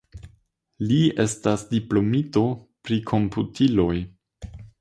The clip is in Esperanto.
Li estas diplomito pri komputiloj.